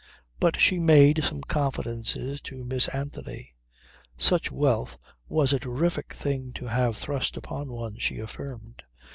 But she made some confidences to Miss Anthony. Such wealth was a terrific thing to have thrust upon one she affirmed.